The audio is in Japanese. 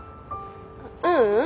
ううん。